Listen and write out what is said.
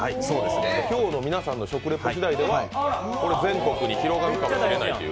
今日の皆さんの食リポしだいでは全国に広がるという。